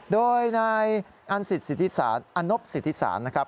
โดยในอันสิทธิศาสตร์อันนบสิทธิศาสตร์นะครับ